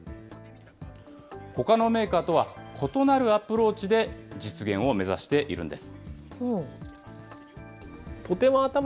ほかのメーカーとは異なるアプローチで実現を目指しているんです。